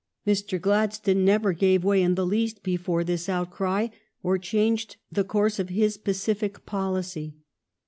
Mr. Gladstone never gave way in the least before this outcry or changed the course of his pacific policy.